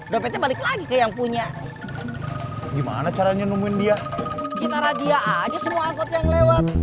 dompetnya balik lagi ke yang punya gimana caranya nemuin dia kita rajia aja semua angkot yang lewat